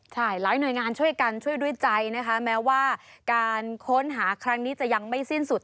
ใช่หลายหน่วยงานช่วยกันช่วยด้วยใจนะคะแม้ว่าการค้นหาครั้งนี้จะยังไม่สิ้นสุด